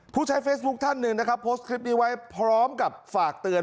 ผู้ใช้เฟซบุ๊คท่านหนึ่งนะครับโพสต์คลิปนี้ไว้พร้อมกับฝากเตือน